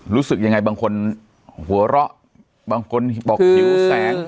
รู้สึกยังไงบางคนหัวเราะบางคนบอกหิวแสง